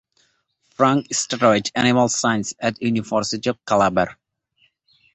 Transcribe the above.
Frank studied animal science at University of Calabar.